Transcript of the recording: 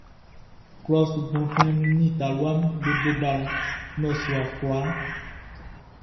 Klɔʼn su gbanflɛn nin talua mun be bo balɔn nnɔsua kwlaa.